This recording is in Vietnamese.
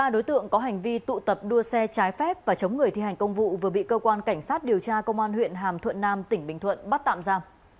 ba đối tượng có hành vi tụ tập đua xe trái phép và chống người thi hành công vụ vừa bị cơ quan cảnh sát điều tra công an huyện hàm thuận nam tỉnh bình thuận bắt tạm ra